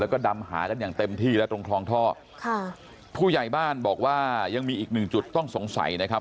แล้วก็ดำหากันอย่างเต็มที่แล้วตรงคลองท่อค่ะผู้ใหญ่บ้านบอกว่ายังมีอีกหนึ่งจุดต้องสงสัยนะครับ